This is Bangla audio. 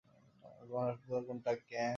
তোমার হাসপাতাল কোনটা, ক্যাম?